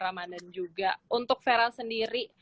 ramadhan juga untuk veran sendiri